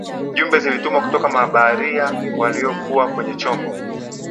jumbe zilitumwa kutoka kwa mabaharia waliokuwa kwenye chombo